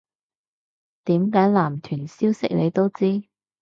點解男團消息你都知